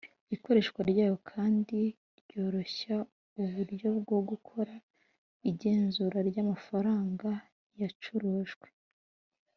Ikoreshwa ryazo kandi ryoroshya uburyo bwo gukora igenzura ry’amafaranga yacurujwe